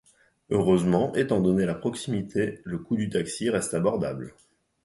Heureusement, étant donné la proximité, le coût du taxi reste abordable.